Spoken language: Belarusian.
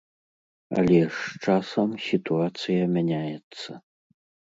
Але з часам сітуацыя мяняецца.